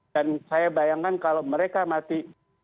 dan saya bayangkan kalau mereka mati